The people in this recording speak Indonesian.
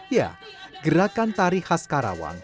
ya gerakan tari khas karawang